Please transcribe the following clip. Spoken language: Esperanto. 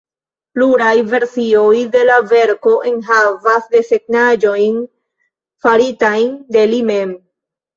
Pluraj versioj de la verko enhavas desegnaĵojn faritajn de li mem.